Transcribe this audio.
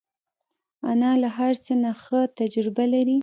انا له هر څه نه ښه تجربه لري